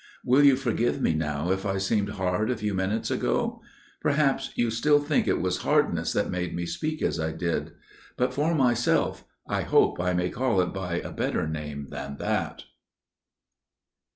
"Will you forgive me now if I seemed hard a few minutes ago? Perhaps you still think it was hardness that made me speak as I did. But, for myself, I hope I may call it by a better name than that."